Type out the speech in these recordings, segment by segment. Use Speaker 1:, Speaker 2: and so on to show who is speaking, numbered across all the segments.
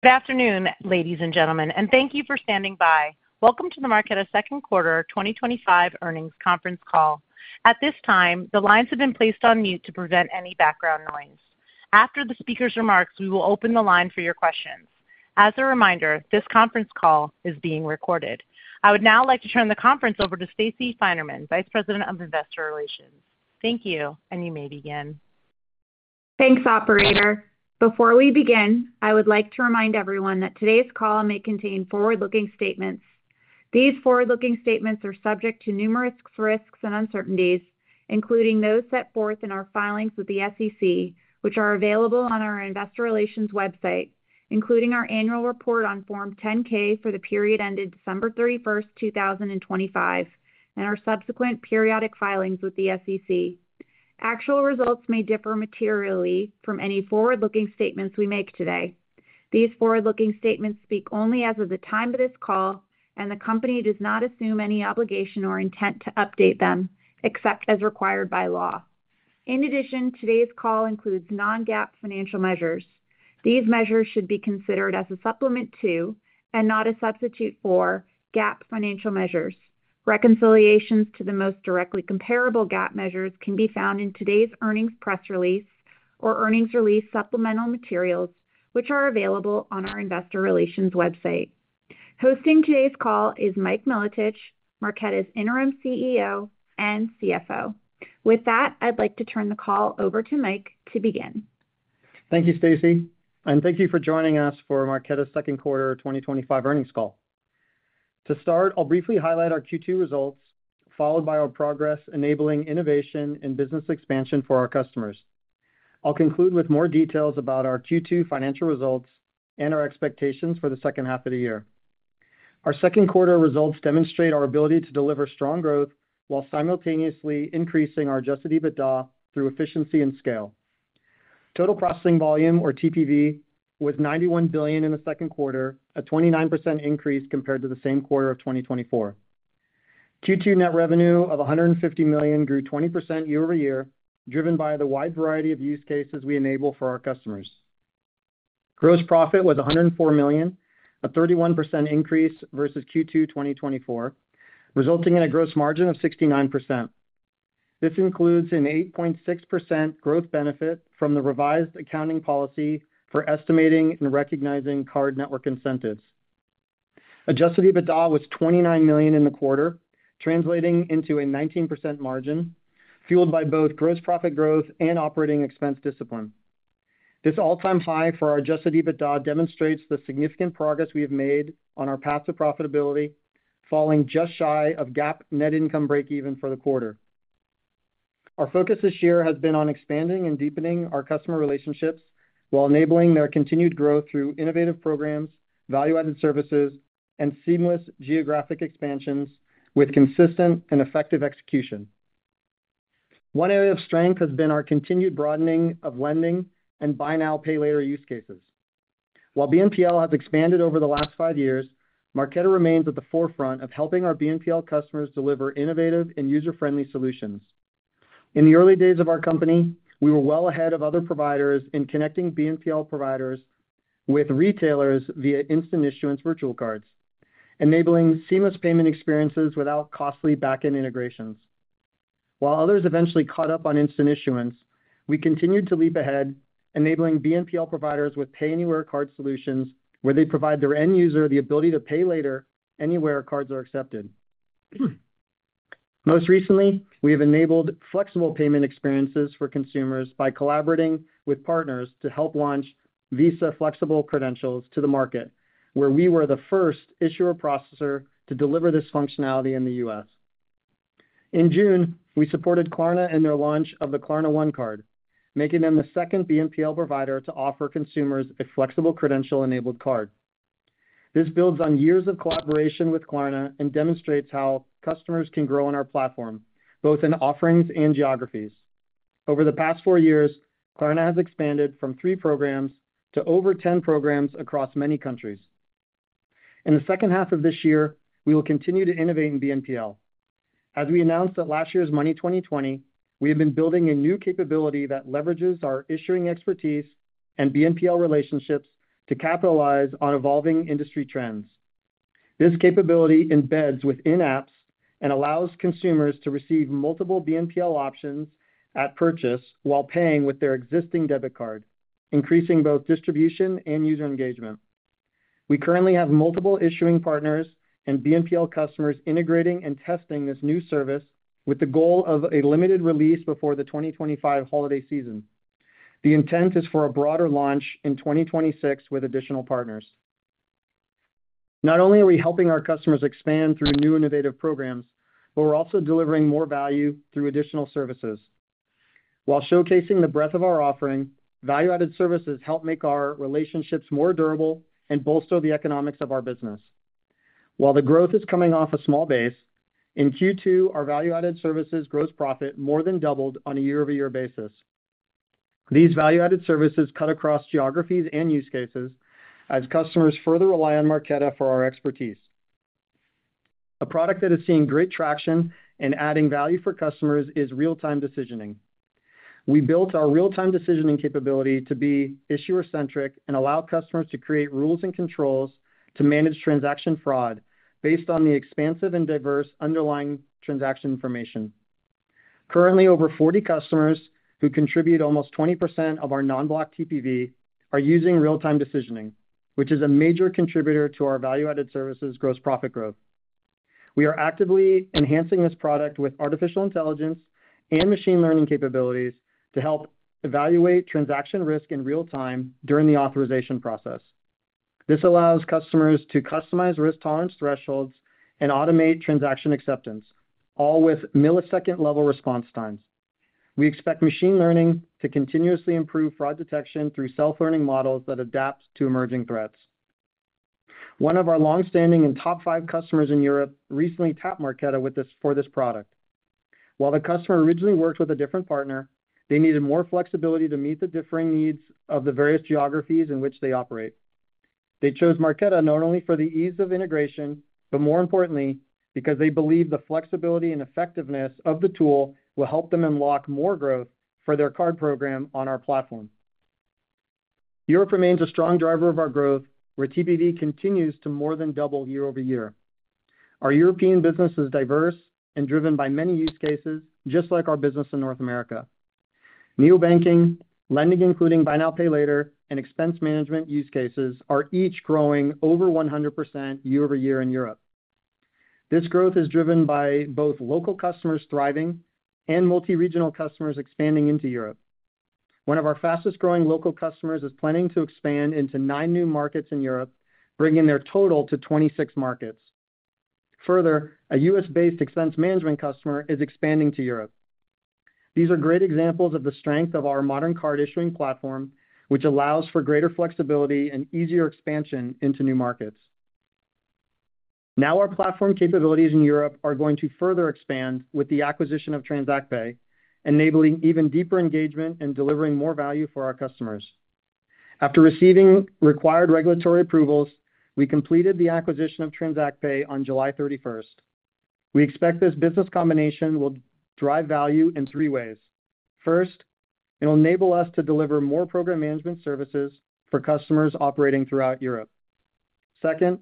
Speaker 1: Good afternoon, ladies and gentlemen, and thank you for standing by. Welcome to the Marqeta Second Quarter 2025 Earnings Conference Call. At this time, the lines have been placed on mute to prevent any background noise. After the speaker's remarks, we will open the line for your questions. As a reminder, this conference call is being recorded. I would now like to turn the conference over to Stacey Finerman, Vice President of Investor Relations. Thank you, and you may begin.
Speaker 2: Thanks, Operator. Before we begin, I would like to remind everyone that today's call may contain forward-looking statements. These forward-looking statements are subject to numerous risks and uncertainties, including those set forth in our filings with the SEC, which are available on our Investor Relations website, including our annual report on Form 10-K for the period ended December 31st, 2025, and our subsequent periodic filings with the SEC. Actual results may differ materially from any forward-looking statements we make today. These forward-looking statements speak only as of the time of this call, and the company does not assume any obligation or intent to update them except as required by law. In addition, today's call includes non-GAAP financial measures. These measures should be considered as a supplement to and not a substitute for GAAP financial measures. Reconciliations to the most directly comparable GAAP measures can be found in today's earnings press release or earnings release supplemental materials, which are available on our Investor Relations website. Hosting today's call is Mike Milotich, Marqeta's Interim CEO and CFO. With that, I'd like to turn the call over to Mike to begin.
Speaker 3: Thank you, Stacey, and thank you for joining us for Marqeta's Second Quarter 2025 earnings call. To start, I'll briefly highlight our Q2 results, followed by our progress enabling innovation and business expansion for our customers. I'll conclude with more details about our Q2 financial results and our expectations for the second half of the year. Our second quarter results demonstrate our ability to deliver strong growth while simultaneously increasing our adjusted EBITDA through efficiency and scale. Total processing volume, or TPV, was $91 billion in the second quarter, a 29% increase compared to the same quarter of 2024. Q2 net revenue of $150 million grew 20% year-over-year, driven by the wide variety of use cases we enable for our customers. Gross profit was $104 million, a 31% increase versus Q2 2024, resulting in a gross margin of 69%. This includes an 8.6% growth benefit from the revised accounting policy for estimating and recognizing card network incentives. Adjusted EBITDA was $29 million in the quarter, translating into a 19% margin, fueled by both gross profit growth and operating expense discipline. This all-time high for our adjusted EBITDA demonstrates the significant progress we have made on our path to profitability, falling just shy of GAAP net income breakeven for the quarter. Our focus this year has been on expanding and deepening our customer relationships while enabling their continued growth through innovative programs, value-added services, and seamless geographic expansions with consistent and effective execution. One area of strength has been our continued broadening of lending and Buy Now Pay Later use cases. While BNPL has expanded over the last five years, Marqeta remains at the forefront of helping our BNPL customers deliver innovative and user-friendly solutions. In the early days of our company, we were well ahead of other providers in connecting BNPL providers with retailers via instant issuance virtual cards, enabling seamless payment experiences without costly backend integrations. While others eventually caught up on instant issuance, we continued to leap ahead, enabling BNPL providers with pay anywhere card solutions where they provide their end user the ability to pay later anywhere cards are accepted. Most recently, we have enabled flexible payment experiences for consumers by collaborating with partners to help launch Visa flexible credentials to the market, where we were the first issuer or processor to deliver this functionality in the U.S. In June, we supported Klarna in their launch of the KlarnaOne Card, making them the second BNPL provider to offer consumers a flexible credential-enabled card. This builds on years of collaboration with Klarna and demonstrates how customers can grow on our platform, both in offerings and geographies. Over the past four years, Klarna has expanded from three programs to over 10 programs across many countries. In the second half of this year, we will continue to innovate in BNPL. As we announced at last year's Money20/20, we have been building a new capability that leverages our issuing expertise and BNPL relationships to capitalize on evolving industry trends. This capability embeds within apps and allows consumers to receive multiple BNPL options at purchase while paying with their existing debit card, increasing both distribution and user engagement. We currently have multiple issuing partners and BNPL customers integrating and testing this new service with the goal of a limited release before the 2025 holiday season. The intent is for a broader launch in 2026 with additional partners. Not only are we helping our customers expand through new innovative programs, we are also delivering more value through additional services. While showcasing the breadth of our offering, value-added services help make our relationships more durable and bolster the economics of our business. While the growth is coming off a small base, in Q2, our value-added services' gross profit more than doubled on a year-over-year basis. These value-added services cut across geographies and use cases as customers further rely on Marqeta for our expertise. A product that is seeing great traction and adding value for customers is real-time decisioning. We built our real-time decisioning capability to be issuer-centric and allow customers to create rules and controls to manage transaction fraud based on the expansive and diverse underlying transaction information. Currently, over 40 customers who contribute almost 20% of our non-block TPV are using real-time decisioning, which is a major contributor to our value-added services' gross profit growth. We are actively enhancing this product with artificial intelligence and machine learning capabilities to help evaluate transaction risk in real time during the authorization process. This allows customers to customize risk tolerance thresholds and automate transaction acceptance, all with millisecond-level response times. We expect machine learning to continuously improve fraud detection through self-learning models that adapt to emerging threats. One of our longstanding and top five customers in Europe recently tapped Marqeta for this product. While the customer originally worked with a different partner, they needed more flexibility to meet the differing needs of the various geographies in which they operate. They chose Marqeta not only for the ease of integration, but more importantly, because they believe the flexibility and effectiveness of the tool will help them unlock more growth for their card program on our platform. Europe remains a strong driver of our growth, where TPV continues to more than double year-over-year. Our European business is diverse and driven by many use cases, just like our business in North America. Neobanking, lending including Buy Now, Pay Later, and expense management use cases are each growing over 100% year-over-year in Europe. This growth is driven by both local customers thriving and multi-regional customers expanding into Europe. One of our fastest growing local customers is planning to expand into nine new markets in Europe, bringing their total to 26 markets. Further, a U.S.-based expense management customer is expanding to Europe. These are great examples of the strength of our modern card issuing platform, which allows for greater flexibility and easier expansion into new markets. Now our platform capabilities in Europe are going to further expand with the acquisition of TransactPay, enabling even deeper engagement and delivering more value for our customers. After receiving required regulatory approvals, we completed the acquisition of TransactPay on July 31st. We expect this business combination will drive value in three ways. First, it'll enable us to deliver more program management services for customers operating throughout Europe. Second,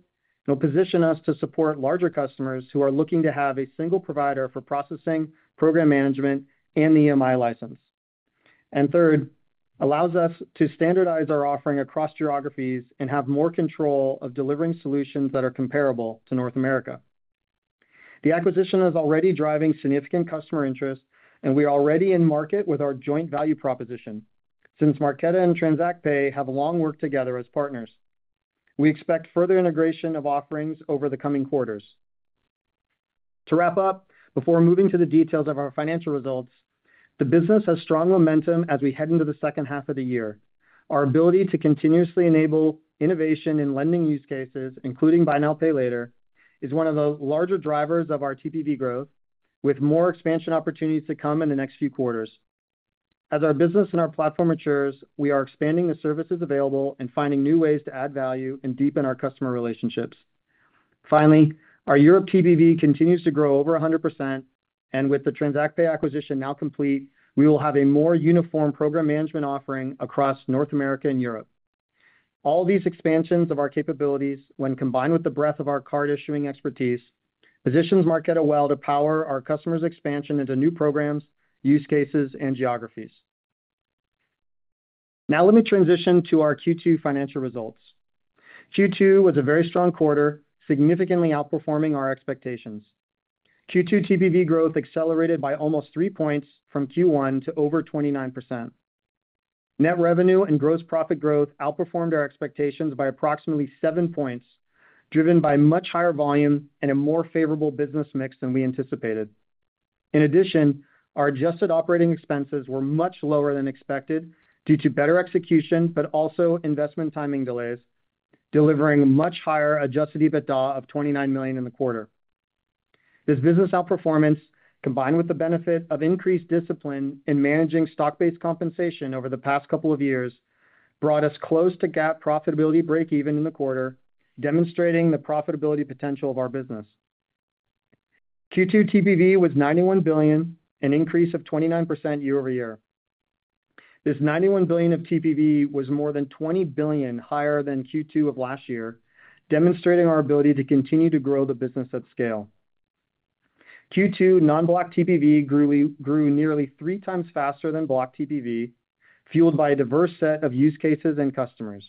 Speaker 3: it'll position us to support larger customers who are looking to have a single provider for processing, program management, and the EMI license. Third, it allows us to standardize our offering across geographies and have more control of delivering solutions that are comparable to North America. The acquisition is already driving significant customer interest, and we are already in market with our joint value proposition since Marqeta and TransactPay have long worked together as partners. We expect further integration of offerings over the coming quarters. To wrap up, before moving to the details of our financial results, the business has strong momentum as we head into the second half of the year. Our ability to continuously enable innovation in lending use cases, including Buy Now, Pay Later, is one of the larger drivers of our TPV growth, with more expansion opportunities to come in the next few quarters. As our business and our platform matures, we are expanding the services available and finding new ways to add value and deepen our customer relationships. Finally, our Europe TPV continues to grow over 100%, and with the TransactPay acquisition now complete, we will have a more uniform program management offering across North America and Europe. All these expansions of our capabilities, when combined with the breadth of our card issuing expertise, positions Marqeta well to power our customers' expansion into new programs, use cases, and geographies. Now let me transition to our Q2 financial results. Q2 was a very strong quarter, significantly outperforming our expectations. Q2 TPV growth accelerated by almost three points from Q1 to over 29%. Net revenue and gross profit growth outperformed our expectations by approximately seven points, driven by much higher volume and a more favorable business mix than we anticipated. In addition, our adjusted operating expenses were much lower than expected due to better execution, but also investment timing delays, delivering a much higher adjusted EBITDA of $29 million in the quarter. This business outperformance, combined with the benefit of increased discipline in managing stock-based compensation over the past couple of years, brought us close to GAAP profitability breakeven in the quarter, demonstrating the profitability potential of our business. Q2 TPV was $91 billion, an increase of 29% year-over-year. This $91 billion of TPV was more than $20 billion higher than Q2 of last year, demonstrating our ability to continue to grow the business at scale. Q2 non-block TPV grew nearly three times faster than block TPV, fueled by a diverse set of use cases and customers.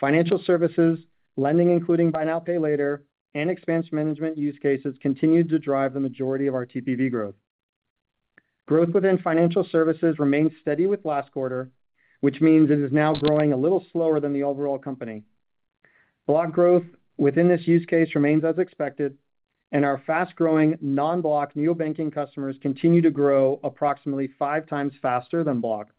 Speaker 3: Financial services, lending including Buy Now, Pay Later, and expense management use cases continued to drive the majority of our TPV growth. Growth within financial services remains steady with last quarter, which means it is now growing a little slower than the overall company. Block growth within this use case remains as expected, and our fast-growing non-block neobanking customers continue to grow approximately five times faster than block.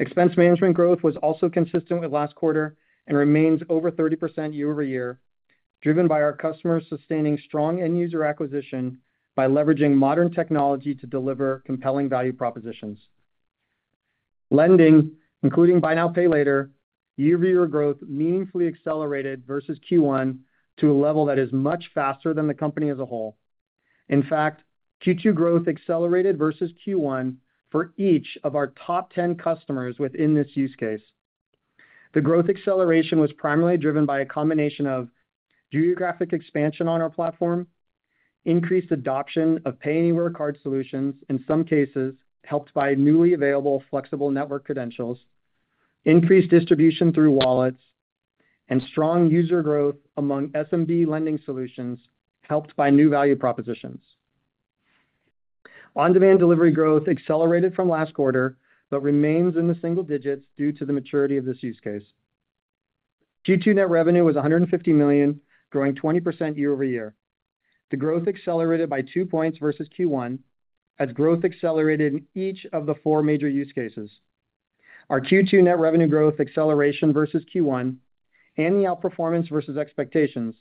Speaker 3: Expense management growth was also consistent with last quarter and remains over 30% year-over-year, driven by our customers sustaining strong end user acquisition by leveraging modern technology to deliver compelling value propositions. Lending including Buy Now, Pay Later, year-over-year growth meaningfully accelerated versus Q1 to a level that is much faster than the company as a whole. In fact, Q2 growth accelerated versus Q1 for each of our top 10 customers within this use case. The growth acceleration was primarily driven by a combination of geographic expansion on our platform, increased adoption of pay anywhere card solutions, in some cases helped by newly available flexible network credentials, increased distribution through wallets, and strong user growth among SMB lending solutions helped by new value propositions. On-demand delivery growth accelerated from last quarter, but remains in the single digits due to the maturity of this use case. Q2 net revenue was $150 million, growing 20% year-over-year. The growth accelerated by two points versus Q1 as growth accelerated in each of the four major use cases. Our Q2 net revenue growth acceleration versus Q1 and the outperformance versus expectations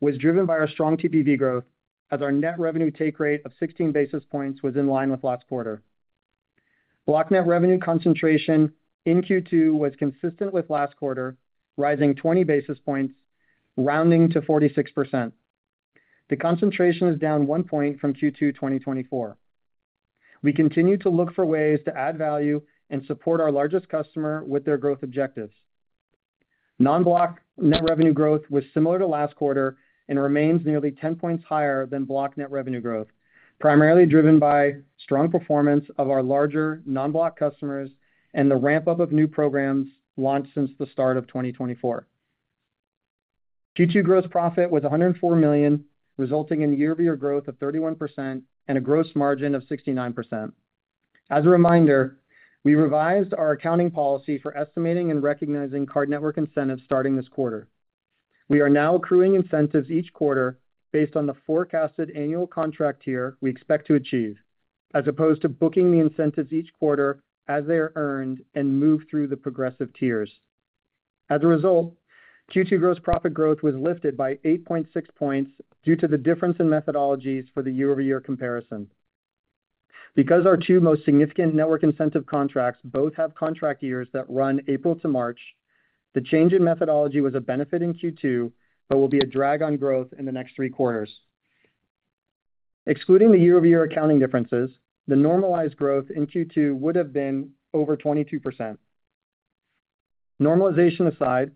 Speaker 3: were driven by our strong TPV growth, as our net revenue take rate of 16 basis points was in line with last quarter. Block net revenue concentration in Q2 was consistent with last quarter, rising 20 basis points, rounding to 46%. The concentration is down one point from Q2 2024. We continue to look for ways to add value and support our largest customer with their growth objectives. Non-block net revenue growth was similar to last quarter and remains nearly 10 points higher than block net revenue growth, primarily driven by strong performance of our larger non-block customers and the ramp-up of new programs launched since the start of 2024. Q2 gross profit was $104 million, resulting in year-over-year growth of 31% and a gross margin of 69%. As a reminder, we revised our accounting policy for estimating and recognizing card network incentives starting this quarter. We are now accruing incentives each quarter based on the forecasted annual contract tier we expect to achieve, as opposed to booking the incentives each quarter as they are earned and moved through the progressive tiers. As a result, Q2 gross profit growth was lifted by 8.6 points due to the difference in methodologies for the year-over-year comparison. Because our two most significant network incentive contracts both have contract years that run April to March, the change in methodology was a benefit in Q2, but will be a drag on growth in the next three quarters. Excluding the year-over-year accounting differences, the normalized growth in Q2 would have been over 22%. Normalization aside,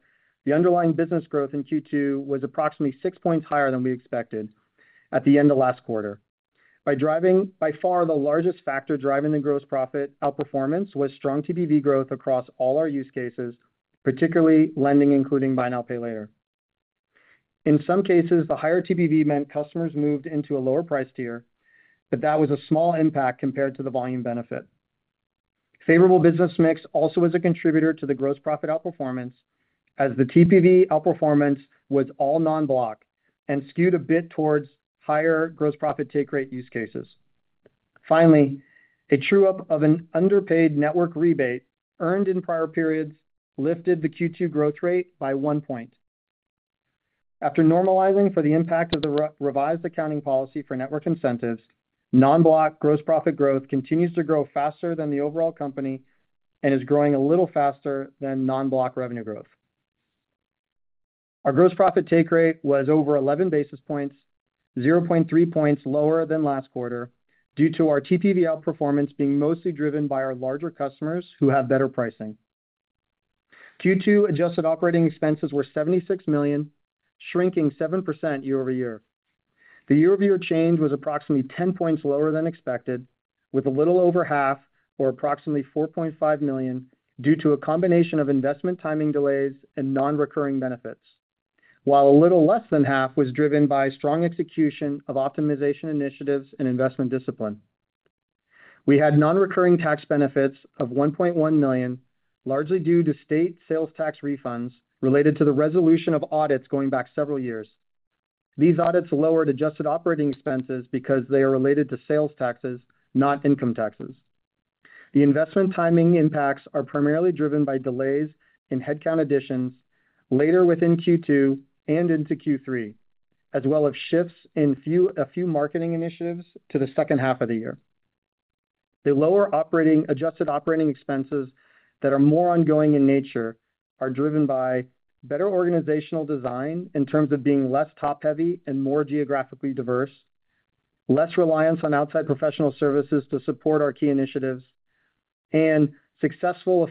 Speaker 3: the underlying business growth in Q2 was approximately six points higher than we expected at the end of last quarter. By far the largest factor driving the gross profit outperformance was strong TPV growth across all our use cases, particularly lending including Buy Now, Pay Later. In some cases, the higher TPV meant customers moved into a lower price tier, but that was a small impact compared to the volume benefit. Favorable business mix also was a contributor to the gross profit outperformance, as the TPV outperformance was all non-block and skewed a bit towards higher gross profit take rate use cases. Finally, a true up of an underpaid network rebate earned in prior periods lifted the Q2 growth rate by one point. After normalizing for the impact of the revised accounting policy for network incentives, non-block gross profit growth continues to grow faster than the overall company and is growing a little faster than non-block revenue growth. Our gross profit take rate was over 11 basis points, 0.3 points lower than last quarter due to our TPV outperformance being mostly driven by our larger customers who have better pricing. Q2 adjusted operating expenses were $76 million, shrinking 7% year-over-year. The year-over-year change was approximately 10 points lower than expected, with a little over half, or approximately $4.5 million, due to a combination of investment timing delays and non-recurring benefits, while a little less than half was driven by strong execution of optimization initiatives and investment discipline. We had non-recurring tax benefits of $1.1 million, largely due to state sales tax refunds related to the resolution of audits going back several years. These audits lowered adjusted operating expenses because they are related to sales taxes, not income taxes. The investment timing impacts are primarily driven by delays in headcount addition later within Q2 and into Q3, as well as shifts in a few marketing initiatives to the second half of the year. The lower adjusted operating expenses that are more ongoing in nature are driven by better organizational design in terms of being less top-heavy and more geographically diverse, less reliance on outside professional services to support our key initiatives, and successful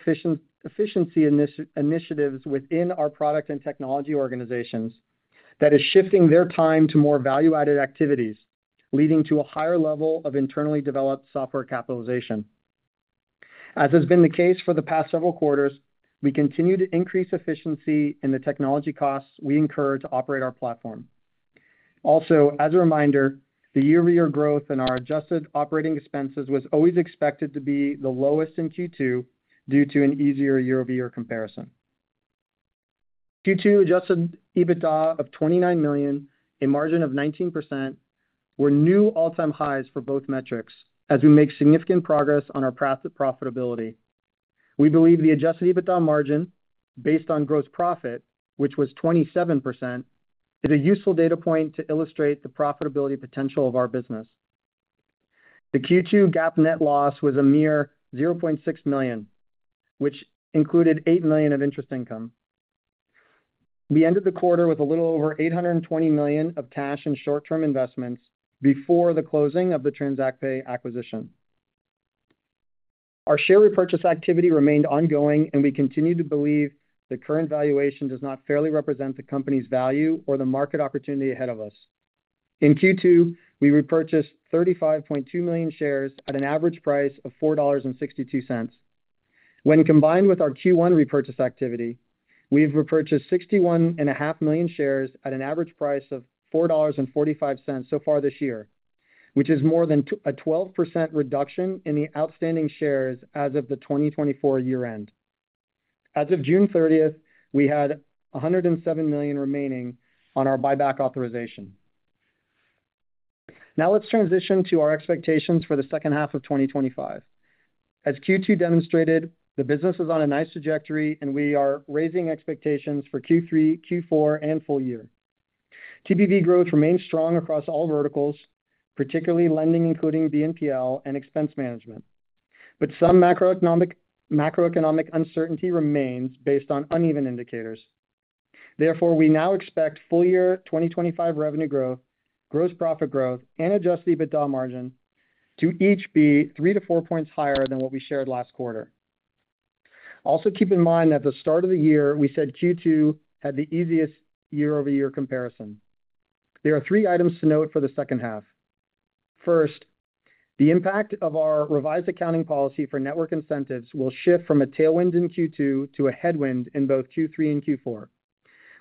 Speaker 3: efficiency initiatives within our product and technology organizations that are shifting their time to more value-added activities, leading to a higher level of internally developed software capitalization. As has been the case for the past several quarters, we continue to increase efficiency in the technology costs we incur to operate our platform. Also, as a reminder, the year-over-year growth in our adjusted operating expenses was always expected to be the lowest in Q2 due to an easier year-over-year comparison. Q2 adjusted EBITDA of $29 million, a margin of 19%, were new all-time highs for both metrics as we make significant progress on our profitability. We believe the adjusted EBITDA margin based on gross profit, which was 27%, is a useful data point to illustrate the profitability potential of our business. The Q2 GAAP net loss was a mere $0.6 million, which included $8 million of interest income. We ended the quarter with a little over $820 million of cash in short-term investments before the closing of the TransactPay acquisition. Our share repurchase activity remained ongoing, and we continue to believe the current valuation does not fairly represent the company's value or the market opportunity ahead of us. In Q2, we repurchased 35.2 million shares at an average price of $4.62. When combined with our Q1 repurchase activity, we've repurchased 61.5 million shares at an average price of $4.45 so far this year, which is more than a 12% reduction in the outstanding shares as of the 2024 year-end. As of June 30th, we had $107 million remaining on our buyback authorization. Now let's transition to our expectations for the second half of 2025. As Q2 demonstrated, the business is on a nice trajectory, and we are raising expectations for Q3, Q4, and full year. TPV growth remains strong across all verticals, particularly lending including BNPL and expense management, but some macroeconomic uncertainty remains based on uneven indicators. Therefore, we now expect full-year 2025 revenue growth, gross profit growth, and adjusted EBITDA margin to each be three to four points higher than what we shared last quarter. Also, keep in mind that at the start of the year, we said Q2 had the easiest year-over-year comparison. There are three items to note for the second half. First, the impact of our revised accounting policy for network incentives will shift from a tailwind in Q2 to a headwind in both Q3 and Q4.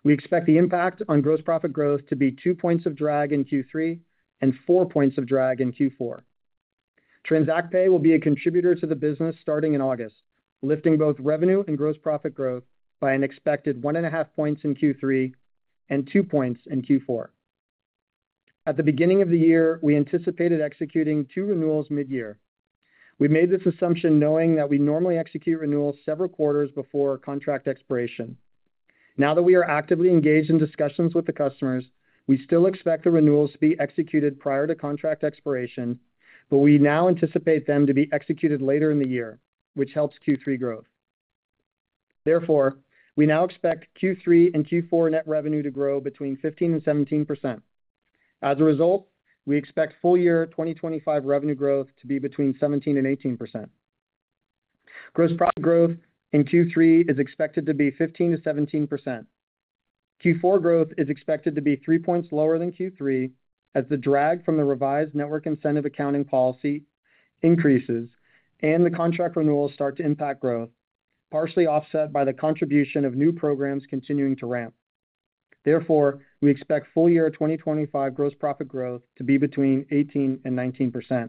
Speaker 3: We expect the impact on gross profit growth to be two points of drag in Q3 and four points of drag in Q4. TransactPay will be a contributor to the business starting in August, lifting both revenue and gross profit growth by an expected 1.5 points in Q3 and two points in Q4. At the beginning of the year, we anticipated executing two renewals mid-year. We made this assumption knowing that we normally execute renewals several quarters before contract expiration. Now that we are actively engaged in discussions with the customers, we still expect the renewals to be executed prior to contract expiration, but we now anticipate them to be executed later in the year, which helps Q3 growth. Therefore, we now expect Q3 and Q4 net revenue to grow between 15% and 17%. As a result, we expect full-year 2025 revenue growth to be between 17% and 18%. Gross profit growth in Q3 is expected to be 15%-17%. Q4 growth is expected to be three points lower than Q3 as the drag from the revised network incentive accounting policy increases and the contract renewals start to impact growth, partially offset by the contribution of new programs continuing to ramp. Therefore, we expect full-year 2025 gross profit growth to be between 18% and 19%.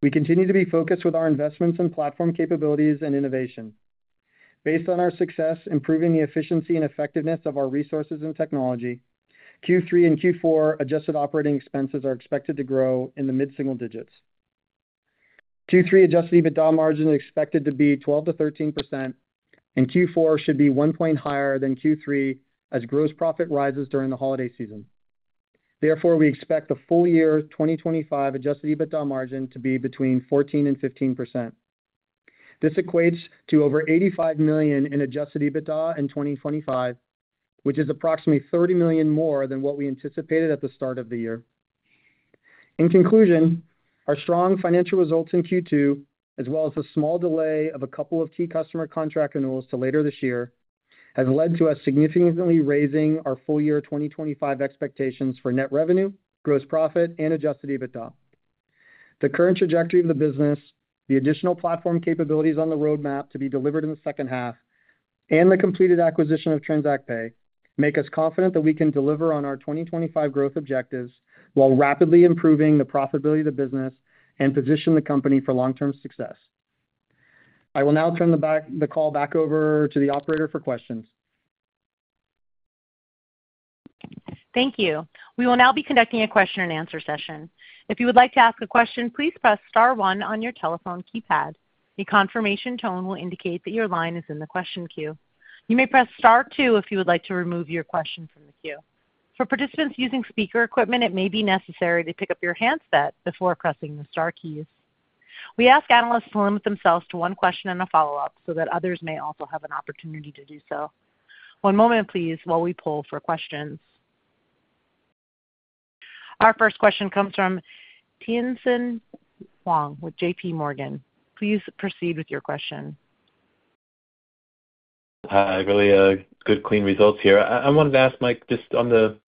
Speaker 3: We continue to be focused with our investments in platform capabilities and innovation. Based on our success improving the efficiency and effectiveness of our resources and technology, Q3 and Q4 adjusted operating expenses are expected to grow in the mid-single digits. Q3 adjusted EBITDA margin is expected to be 12%-13%, and Q4 should be one point higher than Q3 as gross profit rises during the holiday season. Therefore, we expect the full-year 2025 adjusted EBITDA margin to be between 14% and 15%. This equates to over $85 million in adjusted EBITDA in 2025, which is approximately $30 million more than what we anticipated at the start of the year. In conclusion, our strong financial results in Q2, as well as a small delay of a couple of key customer contract renewals to later this year, have led to us significantly raising our full-year 2025 expectations for net revenue, gross profit, and adjusted EBITDA. The current trajectory of the business, the additional platform capabilities on the roadmap to be delivered in the second half, and the completed acquisition of TransactPay make us confident that we can deliver on our 2025 growth objectives while rapidly improving the profitability of the business and position the company for long-term success. I will now turn the call back over to the operator for questions.
Speaker 1: Thank you. We will now be conducting a question and answer session. If you would like to ask a question, please press star one on your telephone keypad. A confirmation tone will indicate that your line is in the question queue. You may press star two if you would like to remove your question from the queue. For participants using speaker equipment, it may be necessary to pick up your handset before pressing the star keys. We ask analysts to limit themselves to one question and a follow-up so that others may also have an opportunity to do so. One moment, please, while we poll for questions. Our first question comes from Tien-tsin Huang with JPMorgan. Please proceed with your question.
Speaker 4: Hi, really good clean results here. I wanted to ask, Mike, just on the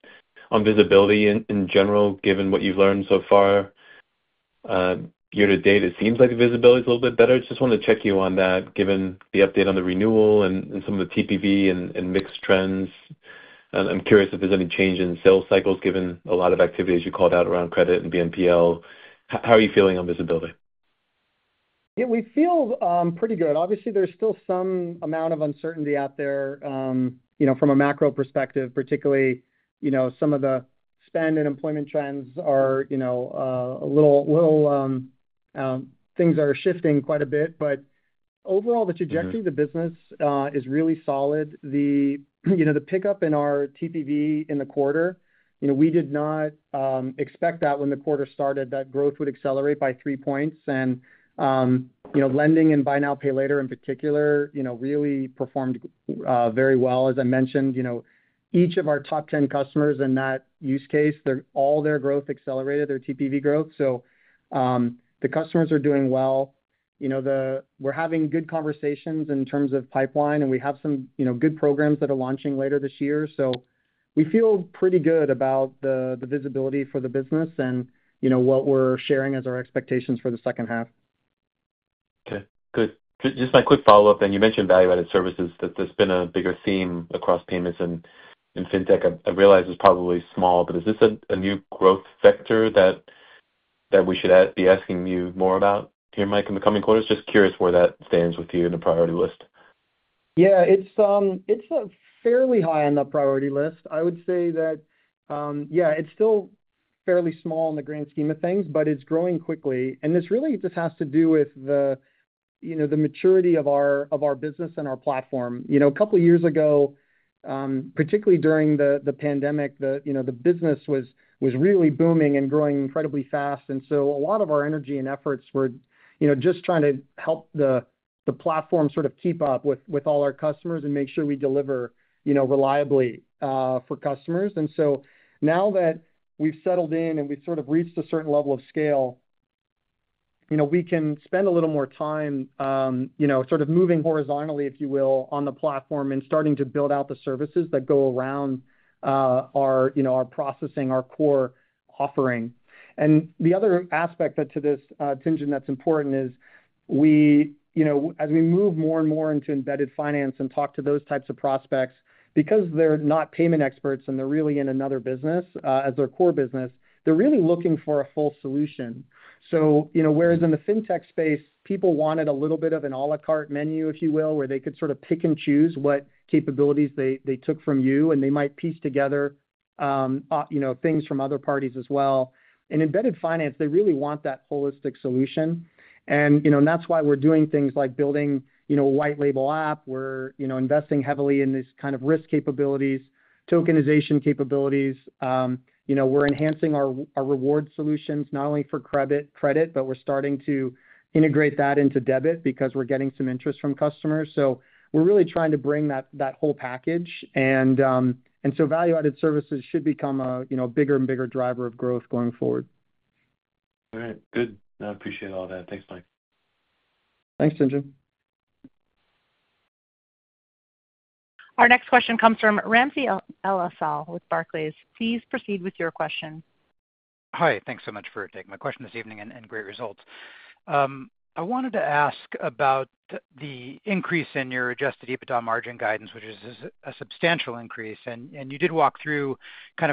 Speaker 4: visibility in general, given what you've learned so far, year to date, it seems like the visibility is a little bit better. I just wanted to check you on that, given the update on the renewal and some of the TPV and mixed trends. I'm curious if there's any change in sales cycles, given a lot of activities you called out around credit and BNPL. How are you feeling on visibility?
Speaker 3: Yeah, we feel pretty good. Obviously, there's still some amount of uncertainty out there from a macro perspective, particularly some of the spend and employment trends are a little, things are shifting quite a bit. Overall, the trajectory of the business is really solid. The pickup in our TPV in the quarter, we did not expect that when the quarter started, that growth would accelerate by 3 points. Lending and BNPL in particular really performed very well. As I mentioned, each of our top 10 customers in that use case, all their growth accelerated, their TPV growth. The customers are doing well. We're having good conversations in terms of pipeline, and we have some good programs that are launching later this year. We feel pretty good about the visibility for the business and what we're sharing as our expectations for the second half.
Speaker 4: Okay, good. Just my quick follow-up, and you mentioned value-added services, that there's been a bigger theme across payments in fintech. I realize it's probably small, but is this a new growth sector that we should be asking you more about here, Mike, in the coming quarters? Just curious where that stands with you in the priority list.
Speaker 3: Yeah, it's fairly high on the priority list. I would say that it's still fairly small in the grand scheme of things, but it's growing quickly. This really just has to do with the maturity of our business and our platform. A couple of years ago, particularly during the pandemic, the business was really booming and growing incredibly fast. A lot of our energy and efforts were just trying to help the platform sort of keep up with all our customers and make sure we deliver reliably for customers. Now that we've settled in and we've sort of reached a certain level of scale, we can spend a little more time sort of moving horizontally, if you will, on the platform and starting to build out the services that go around our processing, our core offering. The other aspect to this tension that's important is as we move more and more into embedded finance and talk to those types of prospects, because they're not payment experts and they're really in another business as their core business, they're really looking for a full solution. Whereas in the fintech space, people wanted a little bit of an a la carte menu, if you will, where they could sort of pick and choose what capabilities they took from you, and they might piece together things from other parties as well. In embedded finance, they really want that holistic solution. That's why we're doing things like building a white label app. We're investing heavily in these kind of risk capabilities, tokenization capabilities. We're enhancing our reward solutions, not only for credit, but we're starting to integrate that into debit because we're getting some interest from customers. We're really trying to bring that whole package. Value-added services should become a bigger and bigger driver of growth going forward.
Speaker 4: All right, good. I appreciate all that. Thanks, Mike.
Speaker 3: Thanks, Tien-tsin.
Speaker 1: Our next question comes from Ramsey El-Assal with Barclays. Please proceed with your question.
Speaker 5: Hi, thanks so much for taking my question this evening and great results. I wanted to ask about the increase in your adjusted EBITDA margin guidance, which is a substantial increase. You did walk through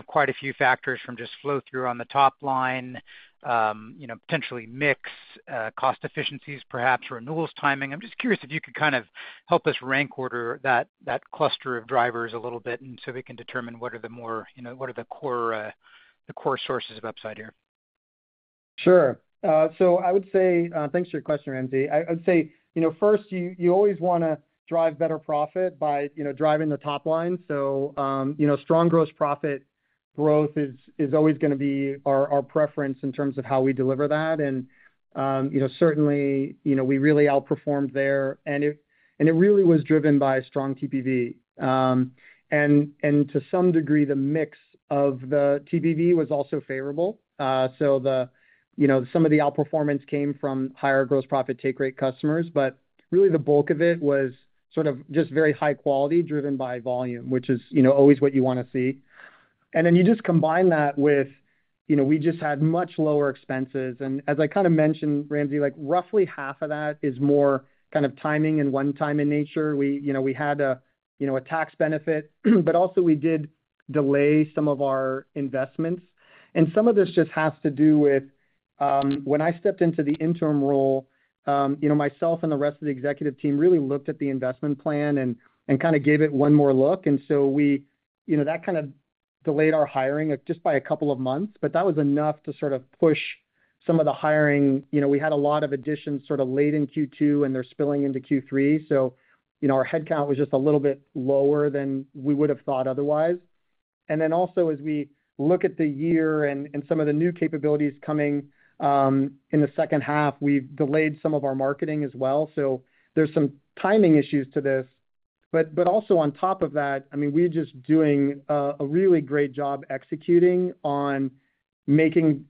Speaker 5: quite a few factors from just flow-through on the top line, potentially mix cost efficiencies, perhaps renewals timing. I'm just curious if you could help us rank order that cluster of drivers a little bit so we can determine what are the core sources of upside here.
Speaker 3: Sure. Thanks for your question, Ramsey. First, you always want to drive better profit by driving the top line. Strong gross profit growth is always going to be our preference in terms of how we deliver that. We really outperformed there, and it really was driven by strong TPV. To some degree, the mix of the TPV was also favorable. Some of the outperformance came from higher gross profit take rate customers, but really, the bulk of it was just very high quality driven by volume, which is always what you want to see. You just combine that with much lower expenses. As I mentioned, Ramsey, roughly half of that is more timing and one-time in nature. We had a tax benefit, but also we did delay some of our investments. Some of this just has to do with when I stepped into the interim role. Myself and the rest of the executive team really looked at the investment plan and gave it one more look. That kind of delayed our hiring just by a couple of months, but that was enough to push some of the hiring. We had a lot of additions late in Q2 and they're spilling into Q3. Our headcount was just a little bit lower than we would have thought otherwise. Also, as we look at the year and some of the new capabilities coming in the second half, we've delayed some of our marketing as well. There are some timing issues to this. Also, on top of that, we're just doing a really great job executing on making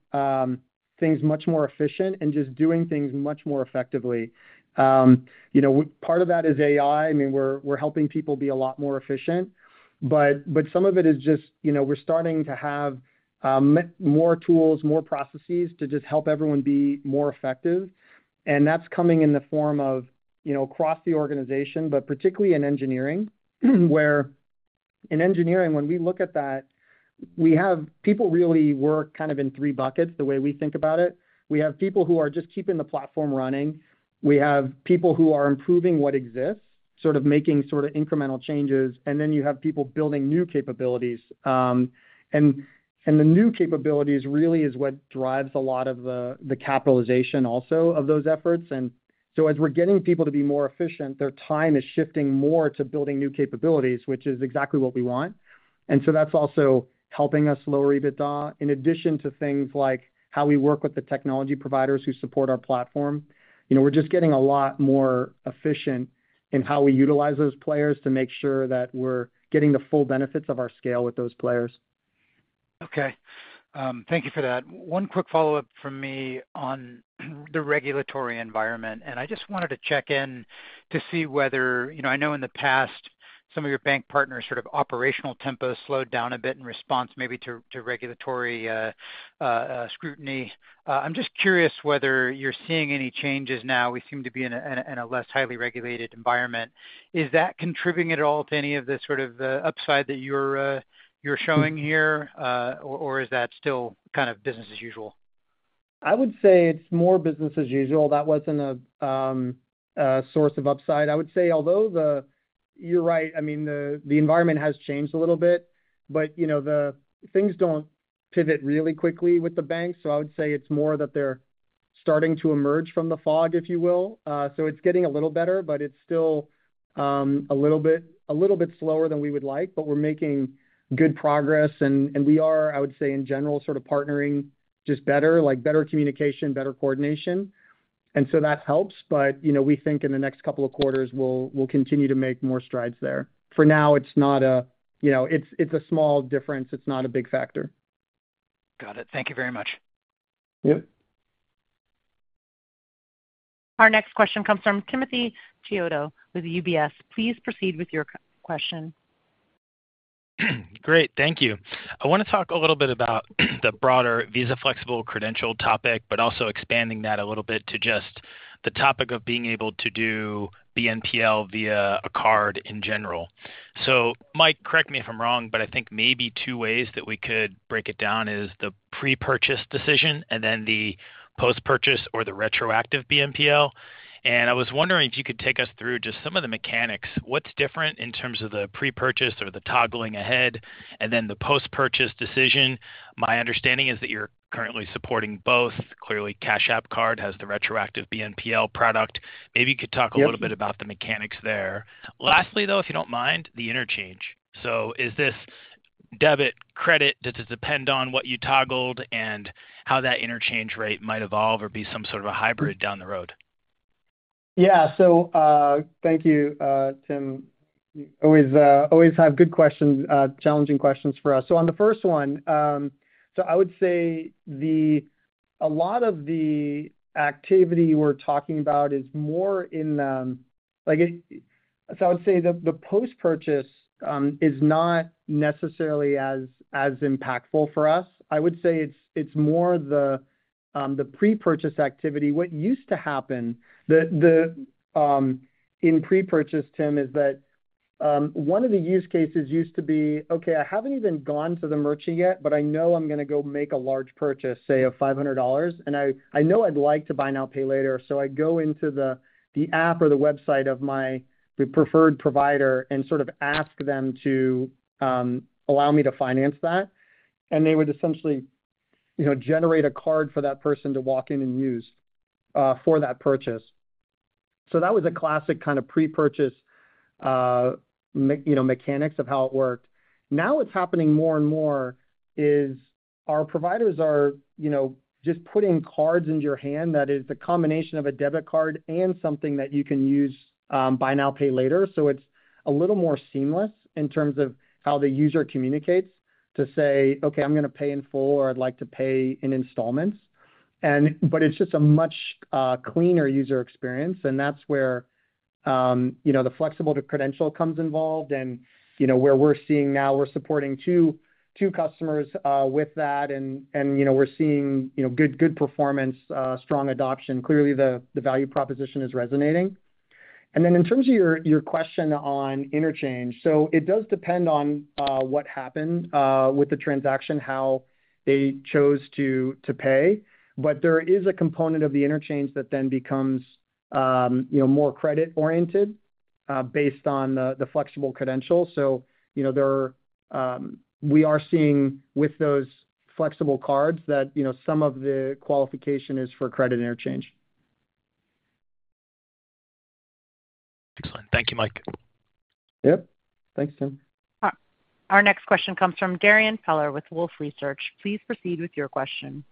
Speaker 3: things much more efficient and just doing things much more effectively. Part of that is AI. We're helping people be a lot more efficient, but some of it is just we're starting to have more tools, more processes to help everyone be more effective. That's coming in the form of, across the organization, but particularly in engineering, where in engineering, when we look at that, we have people really work in three buckets, the way we think about it. We have people who are just keeping the platform running. We have people who are improving what exists, making incremental changes. Then you have people building new capabilities. The new capabilities really are what drive a lot of the capitalization also of those efforts. As we're getting people to be more efficient, their time is shifting more to building new capabilities, which is exactly what we want. That's also helping us lower EBITDA in addition to things like how we work with the technology providers who support our platform. We're just getting a lot more efficient in how we utilize those players to make sure that we're getting the full benefits of our scale with those players.
Speaker 5: Thank you for that. One quick follow-up from me on the regulatory environment. I just wanted to check in to see whether, you know, I know in the past, some of your bank partners' sort of operational tempos slowed down a bit in response maybe to regulatory scrutiny. I'm just curious whether you're seeing any changes now. We seem to be in a less highly regulated environment. Is that contributing at all to any of the sort of upside that you're showing here, or is that still kind of business as usual?
Speaker 3: I would say it's more business as usual. That wasn't a source of upside. I would say, although you're right, the environment has changed a little bit, but things don't pivot really quickly with the banks. I would say it's more that they're starting to emerge from the fog, if you will. It's getting a little better, but it's still a little bit slower than we would like, but we're making good progress. We are, in general, sort of partnering just better, like better communication, better coordination. That helps. We think in the next couple of quarters, we'll continue to make more strides there. For now, it's a small difference. It's not a big factor.
Speaker 5: Got it. Thank you very much.
Speaker 3: Yep.
Speaker 1: Our next question comes from Timothy Chiodo with UBS. Please proceed with your question.
Speaker 6: Great, thank you. I want to talk a little bit about the broader Visa flexible credential topic, but also expanding that a little bit to just the topic of being able to do BNPL via a card in general. Mike, correct me if I'm wrong, but I think maybe two ways that we could break it down is the pre-purchase decision and then the post-purchase or the retroactive BNPL. I was wondering if you could take us through just some of the mechanics. What's different in terms of the pre-purchase or the toggling ahead and then the post-purchase decision? My understanding is that you're currently supporting both. Clearly, Cash App Card has the retroactive BNPL product. Maybe you could talk a little bit about the mechanics there. Lastly, though, if you don't mind, the interchange. Is this debit, credit? Does it depend on what you toggled and how that interchange rate might evolve or be some sort of a hybrid down the road?
Speaker 3: Thank you, Tim. You always have good questions, challenging questions for us. On the first one, I would say a lot of the activity we're talking about is more in the, like, I guess, I would say the post-purchase is not necessarily as impactful for us. I would say it's more the pre-purchase activity. What used to happen in pre-purchase, Tim, is that one of the use cases used to be, okay, I haven't even gone to the merchant yet, but I know I'm going to go make a large purchase, say a $500. I know I'd like to buy now, pay later. I'd go into the app or the website of my preferred provider and sort of ask them to allow me to finance that. They would essentially generate a card for that person to walk in and use for that purchase. That was a classic kind of pre-purchase mechanics of how it worked. Now what's happening more and more is our providers are just putting cards into your hand that is the combination of a debit card and something that you can use buy now, pay later. It's a little more seamless in terms of how the user communicates to say, okay, I'm going to pay in full or I'd like to pay in installments. It's just a much cleaner user experience. That's where the flexible credential comes involved. We're seeing now, we're supporting two customers with that. We're seeing good performance, strong adoption. Clearly, the value proposition is resonating. In terms of your question on interchange, it does depend on what happened with the transaction, how they chose to pay. There is a component of the interchange that then becomes more credit-oriented based on the flexible credential. We are seeing with those flexible cards that some of the qualification is for credit interchange.
Speaker 6: Excellent. Thank you, Mike.
Speaker 3: Yep. Thanks, Tim.
Speaker 1: Our next question comes from Darrin Peller with Wolfe Research. Please proceed with your question.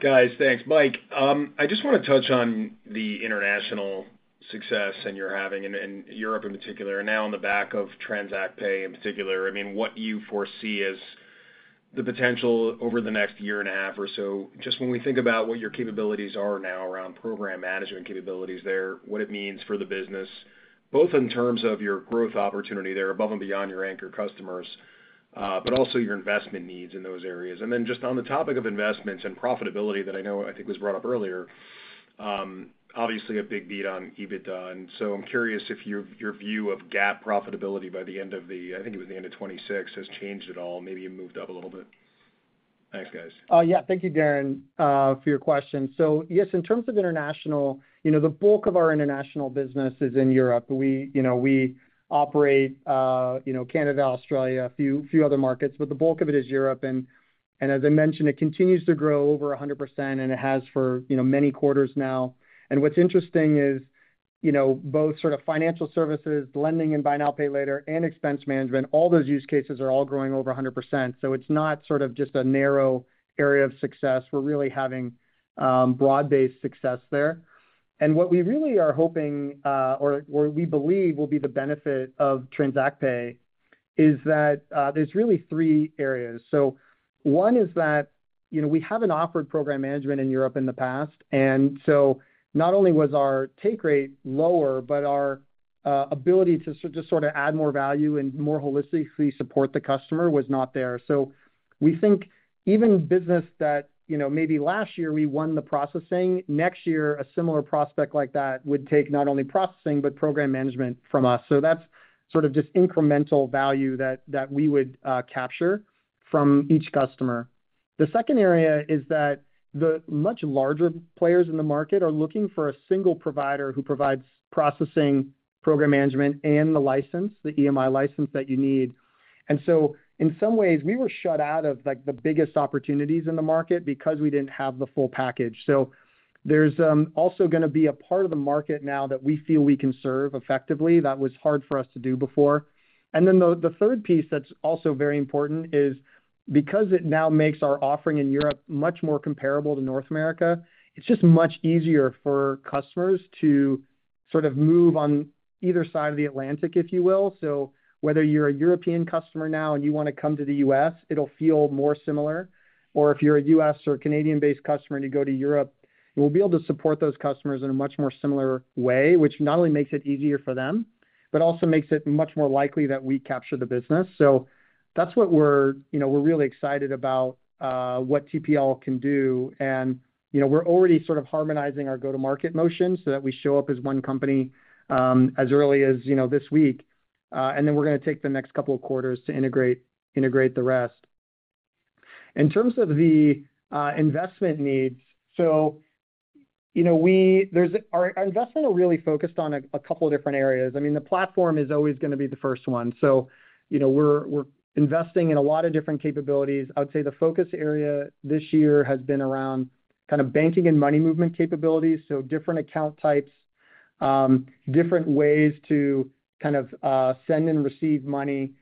Speaker 7: Guys, thanks. Mike, I just want to touch on the international success you're having in Europe in particular, and now on the back of TransactPay in particular. What do you foresee as the potential over the next year and a half or so? Just when we think about what your capabilities are now around program management capabilities there, what it means for the business, both in terms of your growth opportunity there above and beyond your anchor customers, but also your investment needs in those areas. On the topic of investments and profitability that I know I think was brought up earlier, obviously a big beat on EBITDA. I'm curious if your view of GAAP profitability by the end of the, I think it was the end of 2026, has changed at all. Maybe you moved up a little bit. Thanks, guys.
Speaker 3: Yeah, thank you, Darrin, for your question. Yes, in terms of international, the bulk of our international business is in Europe. We operate in Canada, Australia, a few other markets, but the bulk of it is Europe. As I mentioned, it continues to grow over 100% and it has for many quarters now. What's interesting is both financial services, lending and Buy Now, Pay Later, and expense management, all those use cases are all growing over 100%. It's not just a narrow area of success. We're really having broad-based success there. What we really are hoping or what we believe will be the benefit of TransactPay is that there are really three areas. One is that we haven't offered program management in Europe in the past. Not only was our take rate lower, but our ability to add more value and more holistically support the customer was not there. We think even business that maybe last year we won the processing, next year a similar prospect like that would take not only processing, but program management from us. That's just incremental value that we would capture from each customer. The second area is that the much larger players in the market are looking for a single provider who provides processing, program management, and the license, the EMI license that you need. In some ways, we were shut out of the biggest opportunities in the market because we didn't have the full package. There is also going to be a part of the market now that we feel we can serve effectively that was hard for us to do before. The third piece that's also very important is because it now makes our offering in Europe much more comparable to North America, it's much easier for customers to move on either side of the Atlantic, if you will. Whether you're a European customer now and you want to come to the U.S., it'll feel more similar. If you're a U.S. or Canadian-based customer and you go to Europe, we'll be able to support those customers in a much more similar way, which not only makes it easier for them, but also makes it much more likely that we capture the business. That's what we're really excited about, what TransactPay can do. We're already harmonizing our go-to-market motion so that we show up as one company, as early as this week. We're going to take the next couple of quarters to integrate the rest. In terms of the investment needs, our investments are really focused on a couple of different areas. The platform is always going to be the first one. We're investing in a lot of different capabilities. I would say the focus area this year has been around banking and money movement capabilities, so different account types, different ways to send and receive money,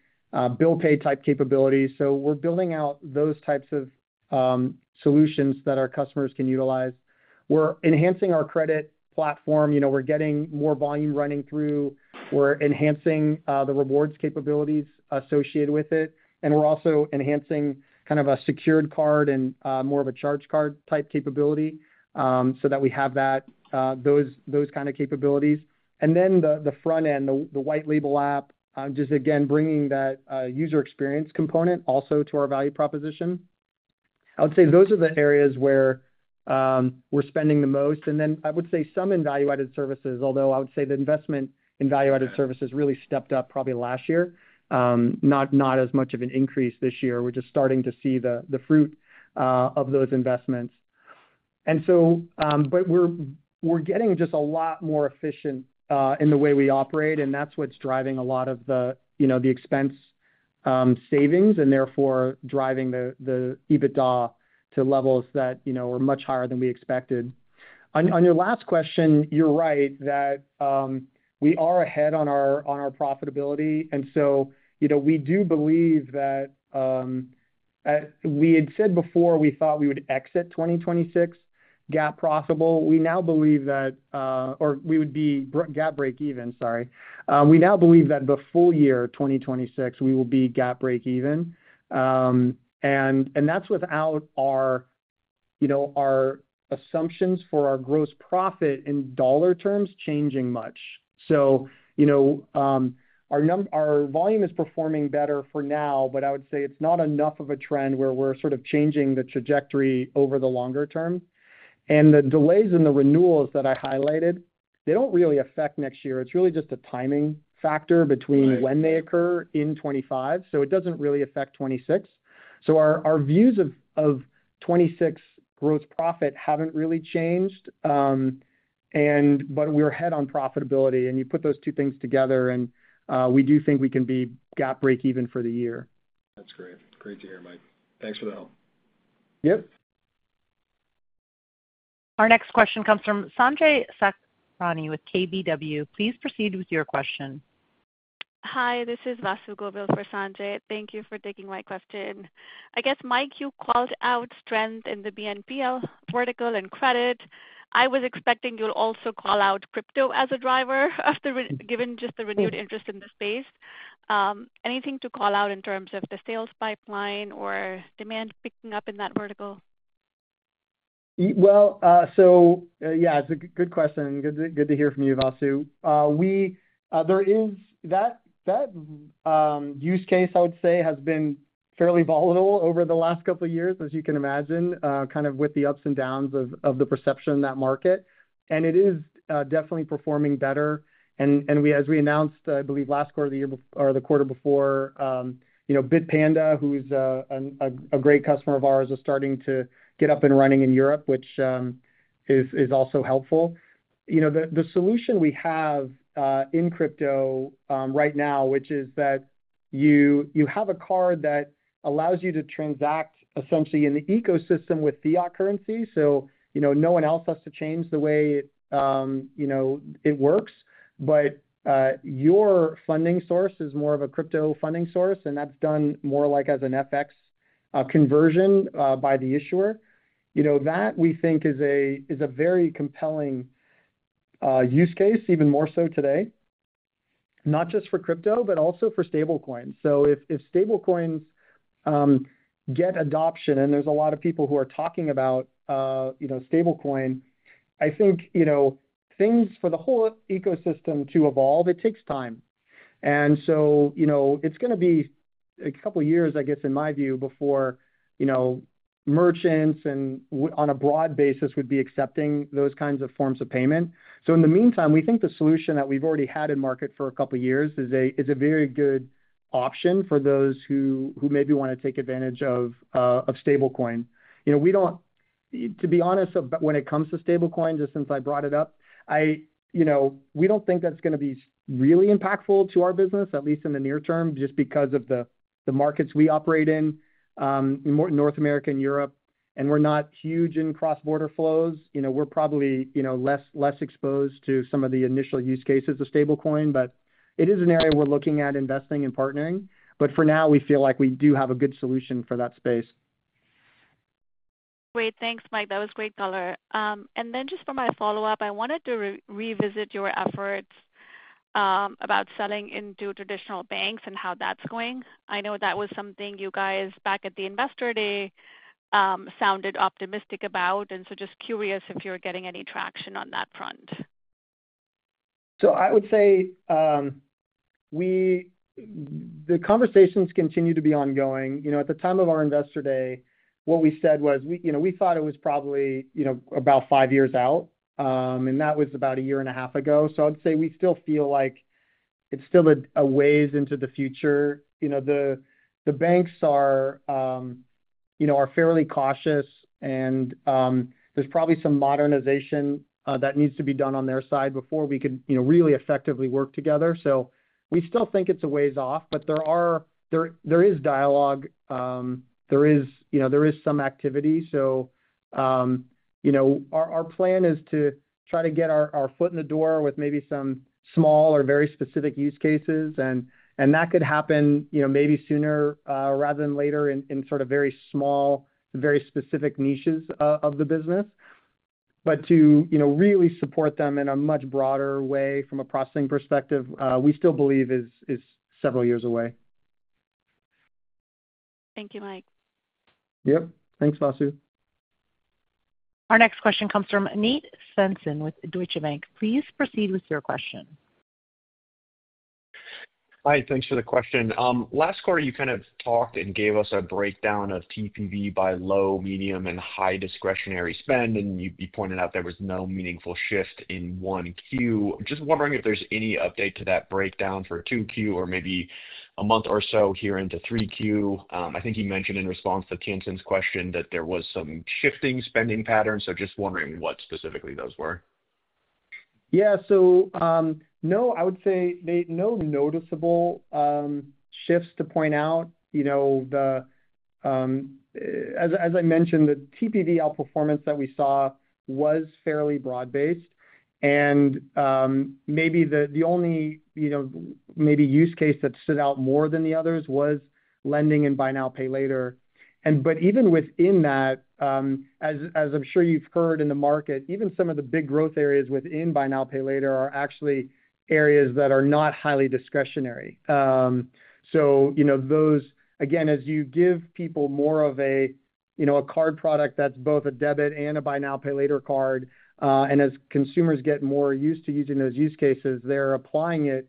Speaker 3: bill pay type capabilities. We're building out those types of solutions that our customers can utilize. We're enhancing our credit platform. We're getting more volume running through. We're enhancing the rewards capabilities associated with it. We're also enhancing a secured card and more of a charge card type capability, so that we have those kinds of capabilities. The front end, the white label app, just again bringing that user experience component also to our value proposition. I would say those are the areas where we're spending the most. I would say some in value-added services, although the investment in value-added services really stepped up probably last year, not as much of an increase this year. We're just starting to see the fruit of those investments. We're getting just a lot more efficient in the way we operate. That's what's driving a lot of the expense savings and therefore driving the EBITDA to levels that are much higher than we expected. On your last question, you're right that we are ahead on our profitability. We do believe that we had said before we thought we would exit 2026 GAAP profitable. We now believe that, or we would be GAAP break even, sorry. We now believe that the full year 2026, we will be GAAP break even, and that's without our assumptions for our gross profit in dollar terms changing much. Our number, our volume is performing better for now, but I would say it's not enough of a trend where we're sort of changing the trajectory over the longer term. The delays in the renewals that I highlighted, they don't really affect next year. It's really just a timing factor between when they occur in 2025. It doesn't really affect 2026. Our views of 2026 gross profit haven't really changed. We're ahead on profitability, and you put those two things together, we do think we can be GAAP break even for the year.
Speaker 7: That's great. It's great to hear, Mike. Thanks for the help.
Speaker 3: Yep.
Speaker 1: Our next question comes from Sanjay Sathrani with KBW. Please proceed with your question.
Speaker 8: Hi, this is Vasu Govil for Sanjay. Thank you for taking my question. I guess, Mike, you called out strength in the BNPL vertical and credit. I was expecting you'll also call out crypto as a driver, given just the renewed interest in the space. Anything to call out in terms of the sales pipeline or demand picking up in that vertical?
Speaker 3: It's a good question. Good to hear from you, Vasu. That use case, I would say, has been fairly volatile over the last couple of years, as you can imagine, with the ups and downs of the perception in that market. It is definitely performing better. As we announced, I believe, last quarter of the year or the quarter before, BitPanda, who's a great customer of ours, is starting to get up and running in Europe, which is also helpful. The solution we have in crypto right now is that you have a card that allows you to transact essentially in the ecosystem with fiat currency, so no one else has to change the way it works, but your funding source is more of a crypto funding source, and that's done more like as an FX conversion by the issuer. We think that is a very compelling use case, even more so today, not just for crypto, but also for stablecoin. If stablecoin gets adoption, and there's a lot of people who are talking about stablecoin, I think for the whole ecosystem to evolve, it takes time. It's going to be a couple of years, I guess, in my view, before merchants on a broad basis would be accepting those kinds of forms of payment. In the meantime, we think the solution that we've already had in market for a couple of years is a very good option for those who maybe want to take advantage of stablecoin. To be honest, when it comes to stablecoin, just since I brought it up, we don't think that's going to be really impactful to our business, at least in the near term, just because of the markets we operate in, more in North America and Europe. We're not huge in cross-border flows. We're probably less exposed to some of the initial use cases of stablecoin, but it is an area we're looking at investing and partnering. For now, we feel like we do have a good solution for that space.
Speaker 8: Great, thanks, Mike. That was great color. For my follow-up, I wanted to revisit your efforts about selling into traditional banks and how that's going. I know that was something you guys back at the investor day sounded optimistic about. I am just curious if you're getting any traction on that front.
Speaker 3: I would say the conversations continue to be ongoing. At the time of our investor day, what we said was we thought it was probably about five years out. That was about a year and a half ago. I'd say we still feel like it's still a ways into the future. The banks are fairly cautious, and there's probably some modernization that needs to be done on their side before we could really effectively work together. We still think it's a ways off, but there is dialogue. There is some activity. Our plan is to try to get our foot in the door with maybe some small or very specific use cases. That could happen maybe sooner rather than later in sort of very small, very specific niches of the business. To really support them in a much broader way from a processing perspective, we still believe is several years away.
Speaker 8: Thank you, Mike.
Speaker 3: Yep, thanks, Vasu.
Speaker 1: Our next question comes from Nate Svensson with Deutsche Bank. Please proceed with your question.
Speaker 9: Hi, thanks for the question. Last quarter, you kind of talked and gave us a breakdown of TPV by low, medium, and high discretionary spend. You pointed out there was no meaningful shift in 1Q. Just wondering if there's any update to that breakdown for 2Q or maybe a month or so here into 3Q. I think you mentioned in response to Tien-tsin's question that there was some shifting spending patterns. Just wondering what specifically those were.
Speaker 3: No noticeable shifts to point out. As I mentioned, the TPV outperformance that we saw was fairly broad-based. Maybe the only use case that stood out more than the others was lending and Buy Now, Pay Late. Even within that, as I'm sure you've heard in the market, some of the big growth areas within Buy Now, Pay Later are actually areas that are not highly discretionary. As you give people more of a card product that's both a debit and a Buy Now, Pay Later card, and as consumers get more used to using those use cases, they're applying it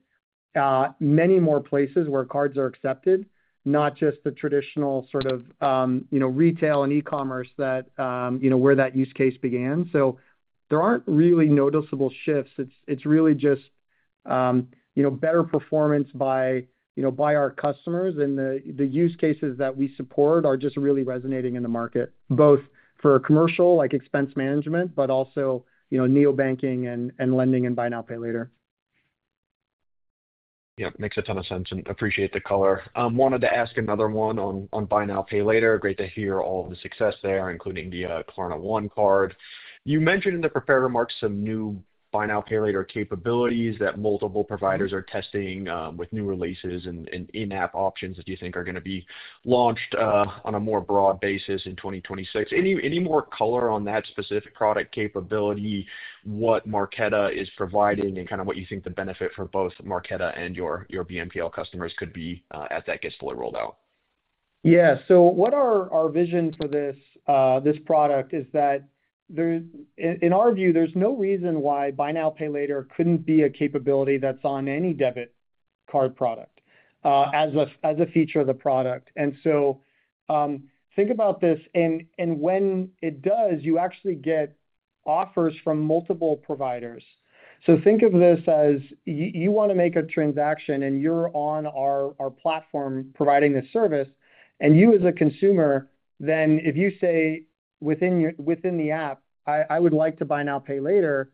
Speaker 3: many more places where cards are accepted, not just the traditional retail and e-commerce where that use case began. There aren't really noticeable shifts. It's really just better performance by our customers, and the use cases that we support are just really resonating in the market, both for commercial like expense management, but also neobanking and lending and Buy Now, Pay Later.
Speaker 9: Yeah, makes a ton of sense and appreciate the color. Wanted to ask another one on Buy Now, Pay Later. Great to hear all of the success there, including the KlarnaOne Card. You mentioned in the prepared remarks some new Buy Now, Pay Later capabilities that multiple providers are testing with new releases and in-app options that you think are going to be launched on a more broad basis in 2026. Any more color on that specific product capability, what Marqeta is providing, and kind of what you think the benefit for both Marqeta and your BNPL customers could be as that gets fully rolled out?
Speaker 3: Yeah, so what our vision for this product is that in our view, there's no reason why Buy Now, Pay Later couldn't be a capability that's on any debit card product as a feature of the product. Think about this, when it does, you actually get offers from multiple providers. Think of this as you want to make a transaction and you're on our platform providing this service, and you as a consumer, then if you say within the app, I would like to Buy Now Pay Later,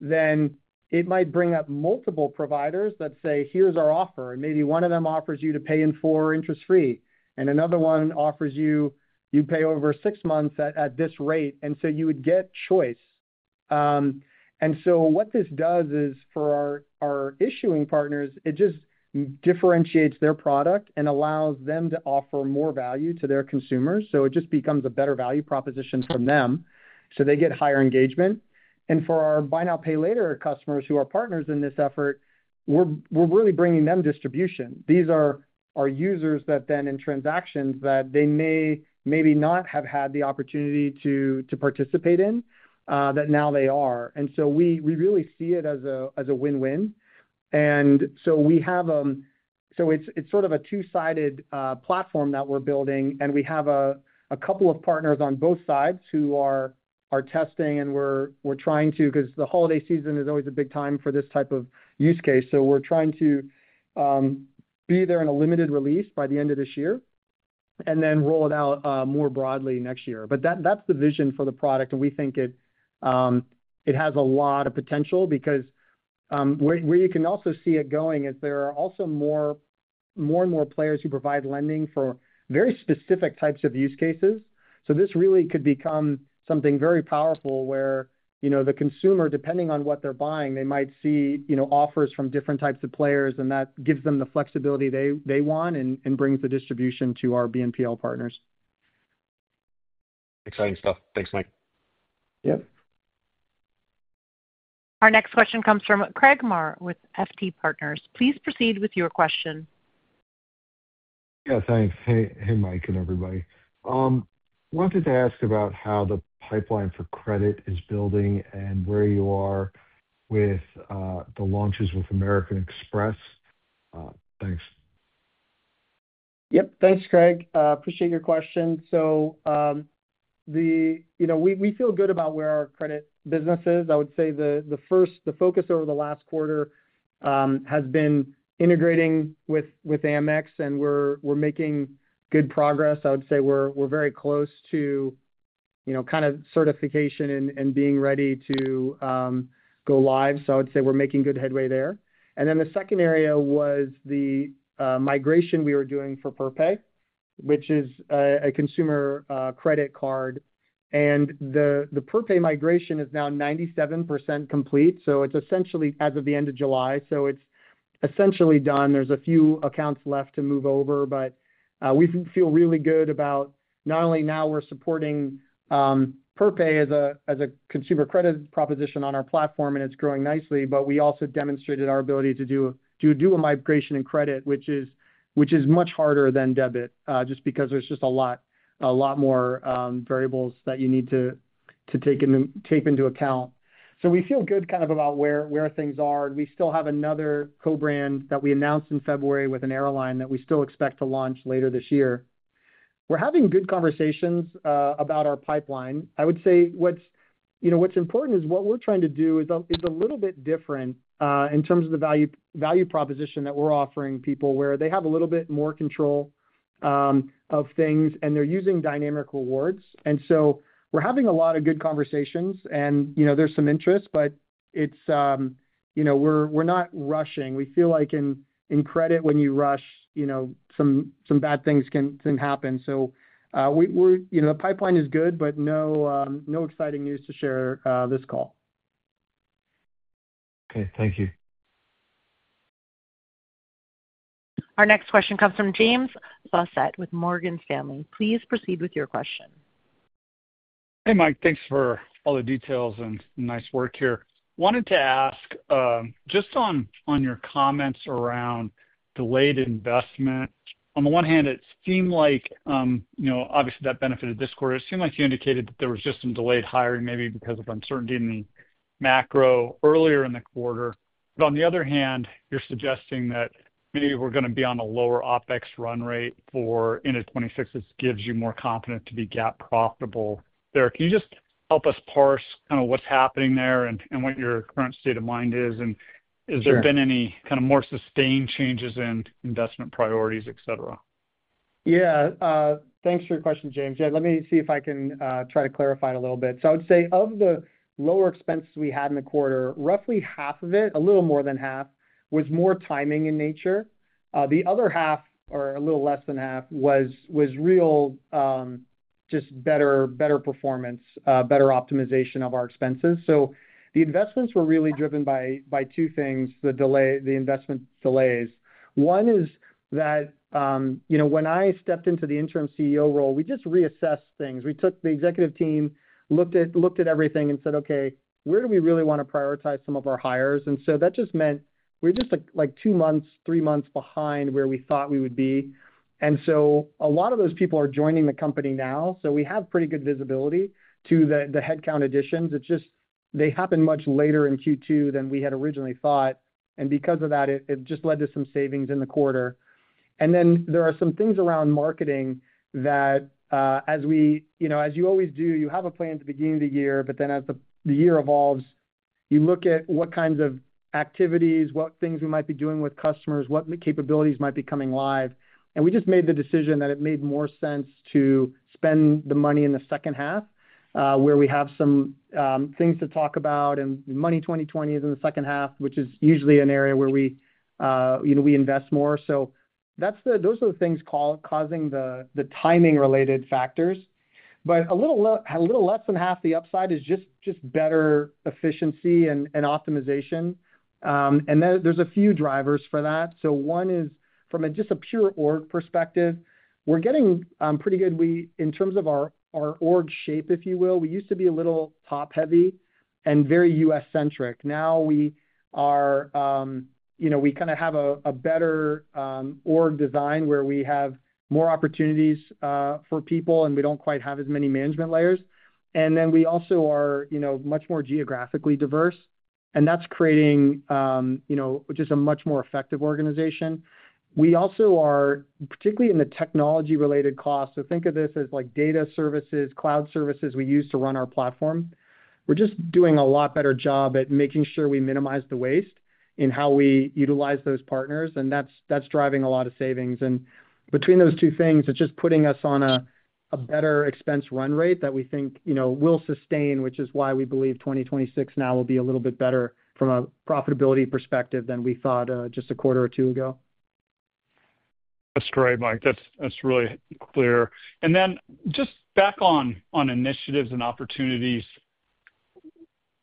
Speaker 3: then it might bring up multiple providers that say, here's our offer, and maybe one of them offers you to pay in full or interest-free, and another one offers you to pay over six months at this rate, and you would get choice. What this does is for our issuing partners, it just differentiates their product and allows them to offer more value to their consumers. It just becomes a better value proposition for them. They get higher engagement. For our Buy Now, Pay Later customers who are partners in this effort, we're really bringing them distribution. These are our users that then in transactions that they maybe not have had the opportunity to participate in, that now they are. We really see it as a win-win. It's sort of a two-sided platform that we're building, and we have a couple of partners on both sides who are testing, and we're trying to, because the holiday season is always a big time for this type of use case, be there in a limited release by the end of this year and then roll it out more broadly next year. That's the vision for the product, and we think it has a lot of potential because where you can also see it going is there are also more and more players who provide lending for very specific types of use cases. This really could become something very powerful where, you know, the consumer, depending on what they're buying, they might see offers from different types of players, and that gives them the flexibility they want and brings the distribution to our BNPL partners.
Speaker 9: Exciting stuff. Thanks, Mike.
Speaker 3: Yep.
Speaker 1: Our next question comes from Craig Maurer with FT Partners. Please proceed with your question.
Speaker 10: Thanks. Hey Mike and everybody. Wanted to ask about how the pipeline for credit is building and where you are with the launches with American Express. Thanks.
Speaker 3: Yep, thanks Craig. Appreciate your question. We feel good about where our credit business is. I would say the focus over the last quarter has been integrating with AMEX, and we're making good progress. I would say we're very close to certification and being ready to go live. I would say we're making good headway there. The second area was the migration we were doing for Perpay, which is a consumer credit card. The Perpay migration is now 97% complete as of the end of July. It's essentially done. There's a few accounts left to move over, but we feel really good about not only now we're supporting Perpay as a consumer credit proposition on our platform and it's growing nicely, but we also demonstrated our ability to do a migration in credit, which is much harder than debit, just because there's a lot more variables that you need to take into account. We feel good about where things are. We still have another co-brand that we announced in February with an airline that we still expect to launch later this year. We're having good conversations about our pipeline. I would say what's important is what we're trying to do is a little bit different in terms of the value proposition that we're offering people, where they have a little bit more control of things and they're using dynamic rewards. We're having a lot of good conversations and there's some interest, but we're not rushing. We feel like in credit when you rush, some bad things can happen. The pipeline is good, but no exciting news to share this call.
Speaker 10: Okay, thank you.
Speaker 1: Our next question comes from James Faucette with Morgan Stanley. Please proceed with your question.
Speaker 11: Hey Mike, thanks for all the details and nice work here. Wanted to ask just on your comments around delayed investment. On the one hand, it seemed like, you know, obviously that benefited this quarter. It seemed like you indicated that there was just some delayed hiring maybe because of uncertainty in the macro earlier in the quarter. On the other hand, you're suggesting that maybe we're going to be on a lower OpEx run rate for end of 2026. This gives you more confidence to be GAAP profitable. Can you just help us parse kind of what's happening there and what your current state of mind is? Has there been any kind of more sustained changes in investment priorities, et cetera?
Speaker 3: Yeah, thanks for your question, James. Let me see if I can try to clarify it a little bit. I would say of the lower expenses we had in the quarter, roughly half of it, a little more than half, was more timing in nature. The other half, or a little less than half, was just better performance, better optimization of our expenses. The investments were really driven by two things, the investment delays. One is that, you know, when I stepped into the Interim CEO role, we just reassessed things. We took the executive team, looked at everything and said, okay, where do we really want to prioritize some of our hires? That just meant we're just like two months, three months behind where we thought we would be. A lot of those people are joining the company now. We have pretty good visibility to the headcount additions. It's just they happen much later in Q2 than we had originally thought. Because of that, it just led to some savings in the quarter. There are some things around marketing that, as you always do, you have a plan to begin the year, but then as the year evolves, you look at what kinds of activities, what things we might be doing with customers, what capabilities might be coming live. We just made the decision that it made more sense to spend the money in the second half, where we have some things to talk about and Money20/20 is in the second half, which is usually an area where we invest more. Those are the things causing the timing-related factors. A little less than half the upside is just better efficiency and optimization. There are a few drivers for that. One is from just a pure org perspective, we're getting pretty good. In terms of our org shape, if you will, we used to be a little top-heavy and very U.S.-centric. Now we kind of have a better org design where we have more opportunities for people and we don't quite have as many management layers. We also are much more geographically diverse. That's creating just a much more effective organization. We also are, particularly in the technology-related costs, so think of this as like data services, cloud services we use to run our platform. We're just doing a lot better job at making sure we minimize the waste in how we utilize those partners. That's driving a lot of savings. Between those two things, it's just putting us on a better expense run rate that we think will sustain, which is why we believe 2026 now will be a little bit better from a profitability perspective than we thought just a quarter or two ago.
Speaker 11: That's great, Mike. That's really clear. Just back on initiatives and opportunities,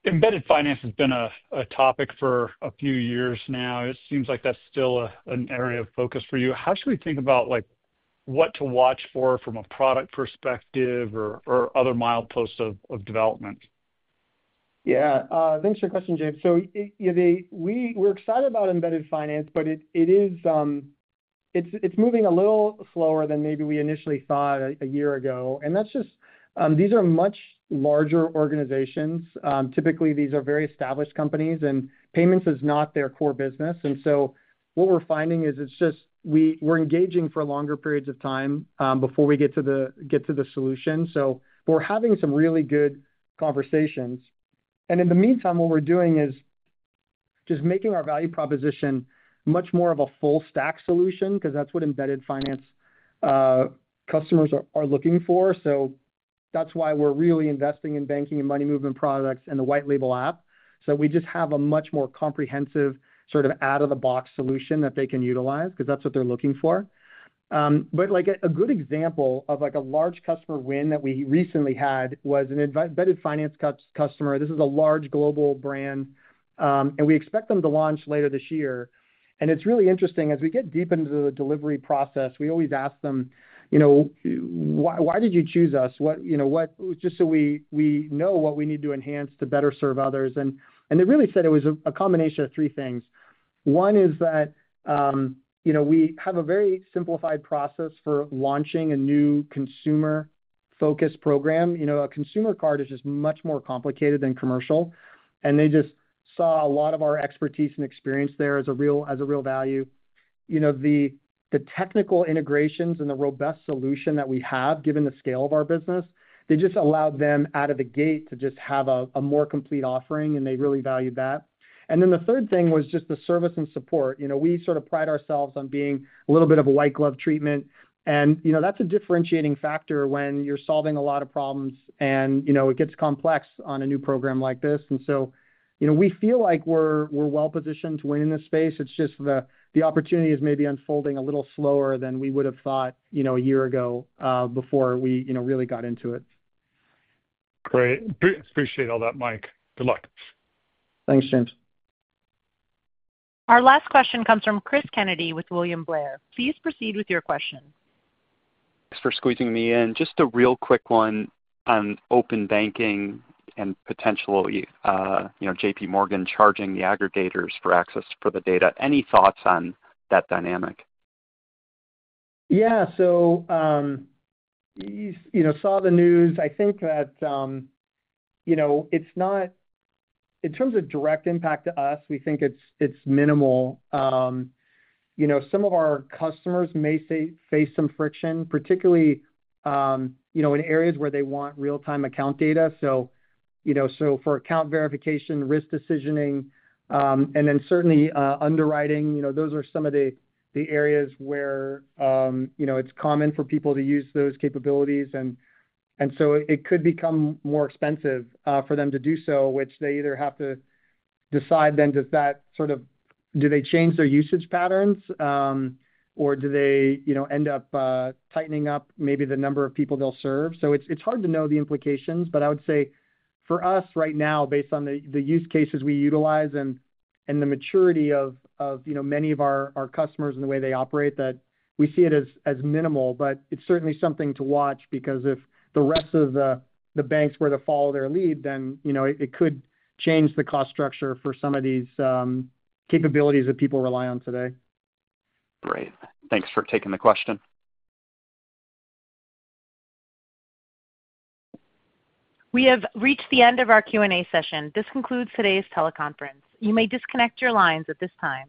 Speaker 11: embedded finance has been a topic for a few years now. It seems like that's still an area of focus for you. How should we think about what to watch for from a product perspective or other mileposts of development?
Speaker 3: Yeah, thanks for your question, James. We're excited about embedded finance, but it's moving a little slower than maybe we initially thought a year ago. These are much larger organizations. Typically, these are very established companies and payments is not their core business. What we're finding is we're engaging for longer periods of time before we get to the solution. We're having some really good conversations. In the meantime, what we're doing is making our value proposition much more of a full stack solution because that's what embedded finance customers are looking for. That's why we're really investing in banking and money movement products and the white label app. We just have a much more comprehensive sort of out-of-the-box solution that they can utilize because that's what they're looking for. A good example of a large customer win that we recently had was an embedded finance customer. This is a large global brand and we expect them to launch later this year. It's really interesting as we get deep into the delivery process, we always ask them why did you choose us, just so we know what we need to enhance to better serve others. They really said it was a combination of three things. One is that we have a very simplified process for launching a new consumer-focused program. A consumer card is just much more complicated than commercial. They just saw a lot of our expertise and experience there as a real value. The technical integrations and the robust solution that we have, given the scale of our business, just allowed them out of the gate to have a more complete offering and they really valued that. The third thing was just the service and support. We sort of pride ourselves on being a little bit of a white glove treatment, and that's a differentiating factor when you're solving a lot of problems and it gets complex on a new program like this. We feel like we're well positioned to win in this space. The opportunity is maybe unfolding a little slower than we would have thought a year ago before we really got into it.
Speaker 11: Great. Appreciate all that, Mike. Good luck.
Speaker 3: Thanks, James.
Speaker 1: Our last question comes from Cris Kennedy with William Blair. Please proceed with your question.
Speaker 12: Thanks for squeezing me in. Just a real quick one on open banking and potential, you know, JPMorgan charging the aggregators for access for the data. Any thoughts on that dynamic?
Speaker 3: Yeah, saw the news. I think that, you know, it's not, in terms of direct impact to us, we think it's minimal. Some of our customers may face some friction, particularly in areas where they want real-time account data. For account verification, risk decisioning, and then certainly underwriting, those are some of the areas where it's common for people to use those capabilities. It could become more expensive for them to do so, which they either have to decide then does that sort of, do they change their usage patterns or do they end up tightening up maybe the number of people they'll serve. It's hard to know the implications, but I would say for us right now, based on the use cases we utilize and the maturity of many of our customers and the way they operate, that we see it as minimal, but it's certainly something to watch because if the rest of the banks were to follow their lead, then it could change the cost structure for some of these capabilities that people rely on today.
Speaker 12: Great. Thanks for taking the question.
Speaker 1: We have reached the end of our Q&A session. This concludes today's teleconference. You may disconnect your lines at this time.